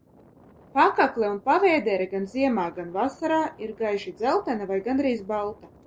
Pakakle un pavēdere gan ziemā, gan vasarā ir gaiši dzeltena vai gandrīz balta.